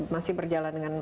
masih berjalan dengan